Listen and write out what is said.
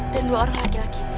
dan dua orang laki laki